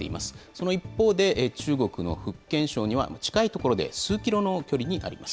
その一方で、中国の福建省には近い所で数キロの距離になります。